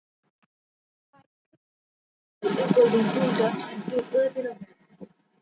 Five crew members died, including two Dutch and two Filipino men.